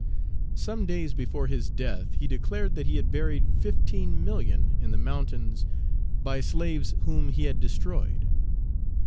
Some days before his death he declared that he had buried 15,000,000 in the mountains by slaves whom he had destroyed."